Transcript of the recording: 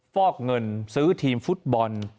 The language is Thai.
ฟอกเงินซื้อทีมฟุตบอล